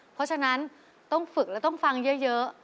เพราะฉะนั้นต้องฝึกและต้องฟังเยอะ